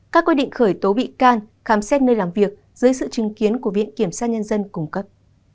các quy định khởi tố bị can khám xét nơi làm việc dưới sự chứng kiến của viện kiểm sát nhân dân cung cấp